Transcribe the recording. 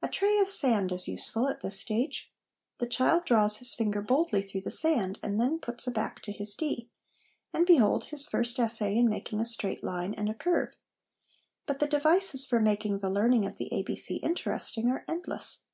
A tray of sand is useful at this stage. The child draws his finger boldly through the sand, and then puts a back to his D ; and behold, his first essay in making a straight line and a curve. But the devices for making the learning of the 'ABC' interesting are endless.